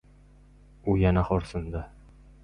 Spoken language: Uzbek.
— U yana xo‘rsindi.